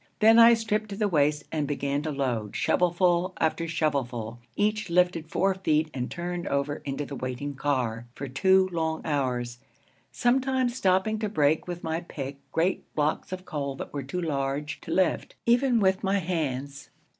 Then I stripped to the waist and began to load, shovelful after shovelful, each lifted four feet and turned over into the waiting car, for two long hours, sometimes stopping to break with my pick great blocks of coal that were too large to lift, even with my hands.